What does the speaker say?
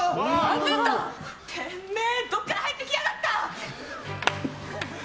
てめえどっから入ってきやがった！